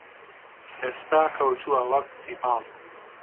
ئێستا کەوتووە وەک سیپاڵ